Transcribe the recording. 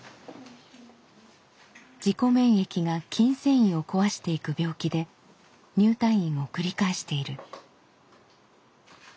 自己免疫が筋繊維を壊していく病気で入退院を繰り返している。